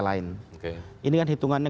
lain ini kan hitungannya